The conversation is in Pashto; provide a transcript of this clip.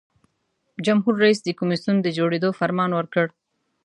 جمهور رئیس د کمیسیون د جوړیدو فرمان ورکړ.